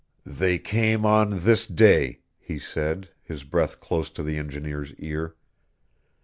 "They came on this day," he said, his breath close to the engineer's ear.